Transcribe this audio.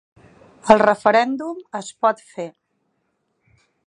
El referèndum es pot fer.